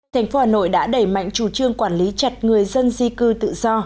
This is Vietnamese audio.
thành phố hà nội đã đẩy mạnh chủ trương quản lý chặt người dân di cư tự do